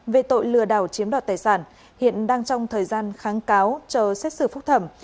về tội lừa đảo chiếm đoạt tài sản hiện đang trong thời gian kháng cáo chờ xét xử phúc thẩm